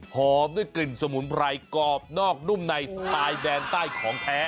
หอมด้วยกลิ่นสมุนไพรกรอบนอกนุ่มในสไตล์แดนใต้ของแท้